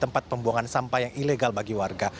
tempat pembuangan sampah yang ilegal bagi warga